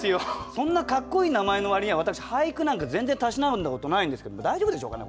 そんなかっこいい名前の割には私俳句なんか全然たしなんだことないんですけれども大丈夫でしょうかね？